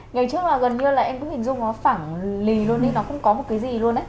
ngày trước gần như là em cũng hình dung nó phẳng lì luôn nó cũng có một cái gì luôn đấy